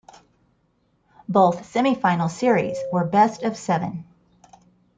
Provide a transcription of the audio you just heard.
Both semifinal series were best-of-seven.